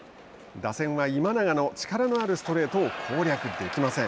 打線は今永の力のあるストレートを攻略できません。